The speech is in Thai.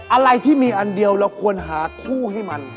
อะไรที่มีอันเดียวเราควรหาคู่ให้มัน